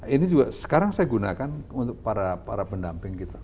ini juga sekarang saya gunakan untuk para pendamping kita